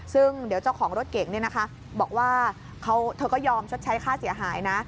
ซึ่งเดี๋ยวเจ้าของรถเก๋งบอกว่าเธอก็ยอมชดใช้ค่าเสียหายนะ